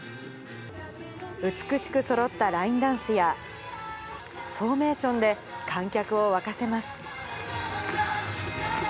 美しくそろったラインダンスや、フォーメーションで観客を沸かせます。